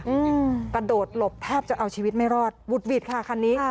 อืมกระโดดหลบแทบจะเอาชีวิตไม่รอดบุดหวิดค่ะคันนี้ค่ะ